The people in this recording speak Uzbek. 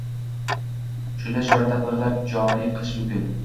Shunday chora-tadbirlar joriy qilish mumkin